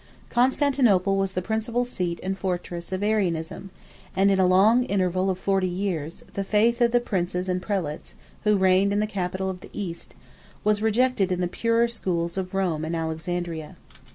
Constantinople was the principal seat and fortress of Arianism; and, in a long interval of forty years, 24 the faith of the princes and prelates, who reigned in the capital of the East, was rejected in the purer schools of Rome and Alexandria.